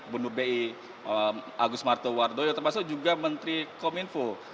bunuh bi agus martowardoyo termasuk juga menteri kominfo